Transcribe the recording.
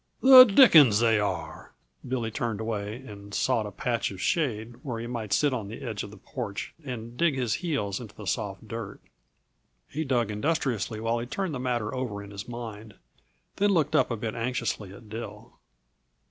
"The dickens they are!" Billy turned away and sought a patch of shade where he might sit on the edge of the porch and dig his heels into the soft dirt. He dug industriously while he turned the matter over in his mind, then looked up a bit anxiously at Dill.